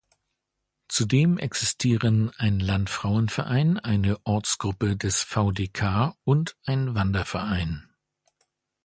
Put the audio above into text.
Zudem existieren ein Landfrauenverein, eine Ortsgruppe des VdK und ein Wanderverein.